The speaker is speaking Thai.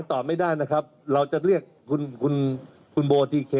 ตอบไป